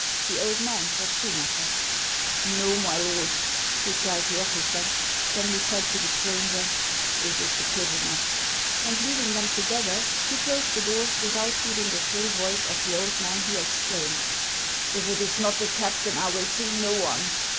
The old man was Schumacker. " Xo, my Lord," replied the officer ; then he said to the stranger, "This is the prisoner;" and leaving them to gether, he closed the door, without heeding the shrill voice of the old man, who exclaimed :" If it is not the captain, I will see no one."